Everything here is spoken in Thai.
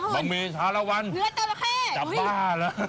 บะหมี่อะไรครับผมเนื้อจัลละเข้จับบ้าแล้ว